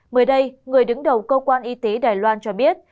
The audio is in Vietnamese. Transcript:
mới đây người đứng đầu cơ quan y tế đài loan cho biết